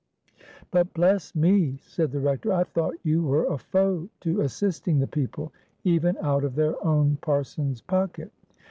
"But, bless me!" said the Rector, "I thought you were a foe to assisting the people, even out of their own parson's pocket."